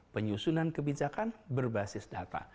penyusunan kebijakan berbasis data